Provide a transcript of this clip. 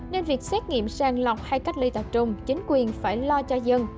nên việc xét nghiệm sàng lọc hay cách ly tập trung chính quyền phải lo cho dân